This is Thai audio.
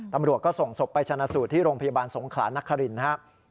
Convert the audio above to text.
ตำรวจก็ส่งศพไปชนะสูตรที่โรงพยาบาลสงขลานครินนะครับ